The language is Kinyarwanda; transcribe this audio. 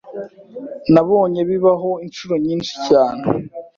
Nabonye bibaho inshuro nyinshi cyane.